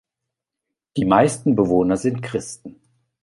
Die meisten Bewohner sind Christen.